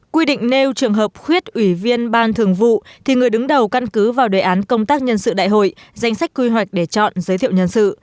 quy định nêu trường hợp khuyết ủy viên ban thường vụ thì người đứng đầu căn cứ vào đề án công tác nhân sự đại hội danh sách quy hoạch để chọn giới thiệu nhân sự